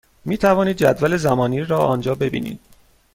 می توانید جدول زمانی را آنجا ببینید.